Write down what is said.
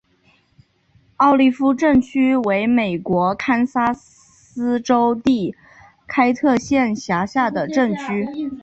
奥利夫镇区为美国堪萨斯州第开特县辖下的镇区。